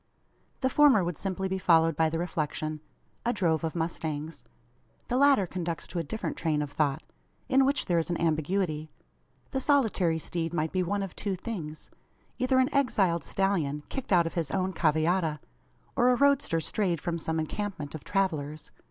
The former would simply be followed by the reflection: "A drove of mustangs." The latter conducts to a different train of thought, in which there is an ambiguity. The solitary steed might be one of two things: either an exiled stallion, kicked out of his own cavallada, or a roadster strayed from some encampment of travellers.